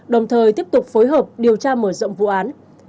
đồng thời tiếp tục phối hợp điều tra mở rộng vụ án